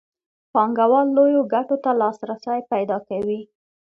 پانګوال لویو ګټو ته لاسرسی پیدا کوي